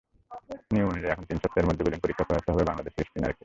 নিয়ম অনুযায়ী, এখন তিন সপ্তাহের মধ্যে বোলিং পরীক্ষা করাতে হবে বাংলাদেশের স্পিনারকে।